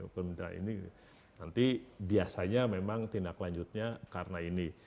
pemerintah ini nanti biasanya memang tindak lanjutnya karena ini